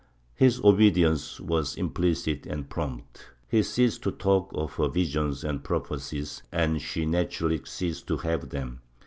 His obedience was impUcit and prompt; he ceased to talk of her visions and prophecies, and she naturally ceased to have them.